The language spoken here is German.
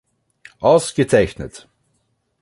Ausgezeichnet!